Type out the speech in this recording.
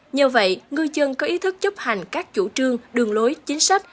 nhờ vậy ngư dân có ý thức chấp hành các chủ trương đường lối chính sách